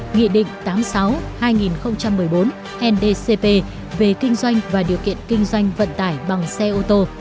nghị định tám mươi sáu hai nghìn một mươi bốn ndcp về kinh doanh và điều kiện kinh doanh vận tải bằng xe ô tô